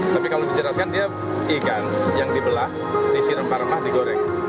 tapi kalau dijelaskan dia ikan yang dibelah disirem parmah digoreng